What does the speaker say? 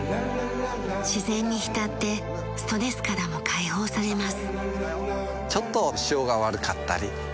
自然に浸ってストレスからも解放されます。